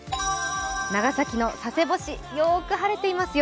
長崎の佐世保市、よく晴れていますよ。